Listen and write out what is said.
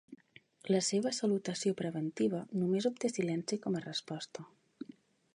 La seva salutació preventiva només obté silenci com a resposta.